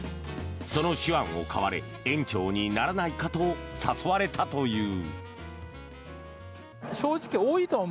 その手腕を買われ園長にならないかと誘われたという。